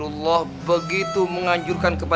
rasulullah begitu mengajurkan perempuan